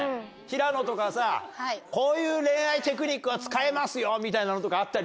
平野とかさこういう恋愛テクニックは使えますよみたいなのとか。